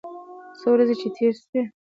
څو ورځې چې تېرې سوې.